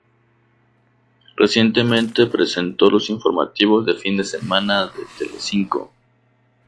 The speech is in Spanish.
Recientemente presentó los Informativos de fin de semana de Telecinco.